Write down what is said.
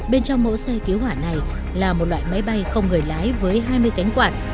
bên trong mẫu xe cứu hỏa này là một loại máy bay không người lái với hai mươi cánh quạt